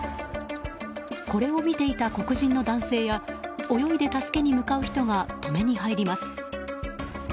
これを見ていた黒人の男性や泳いで助けに向かう人が止めに入ります。